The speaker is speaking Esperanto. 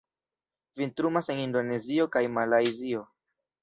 Vintrumas en Indonezio kaj Malajzio.